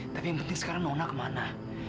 tapi yang penting sekarang mauna kemana